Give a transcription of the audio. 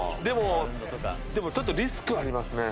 でもちょっとリスクはありますね。